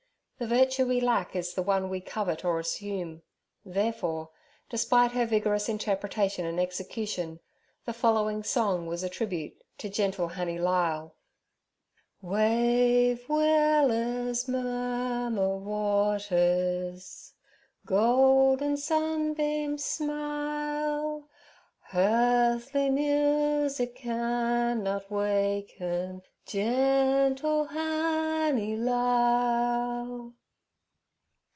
The virtue we lack is the one we covet or assume; therefore, despite her vigorous interpretation and execution, the following song was a tribute to 'Gentil Hannie Lisle.' 'Wave willers, murmur waters. Goldin sunbeams smile; Hearthly music cannot wakin Gentil Hannie Lisle.'